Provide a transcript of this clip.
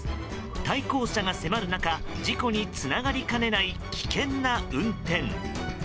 対向車が迫る中事故につながりかねない危険な運転。